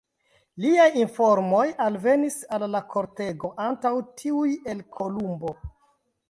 Liaj informoj alvenis al la kortego antaŭ tiuj el Kolumbo.